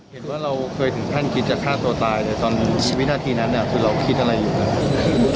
เห็นว่าเราเคยถึงขั้นคิดจะฆ่าตัวตายเลยตอนวินาทีนั้นคือเราคิดอะไรอยู่แล้ว